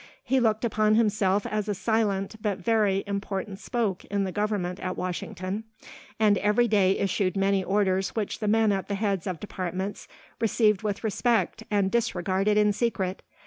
He looked upon himself as a silent but very important spoke in the government at Washington and every day issued many orders which the men at the heads of departments received with respect and disregarded in secret.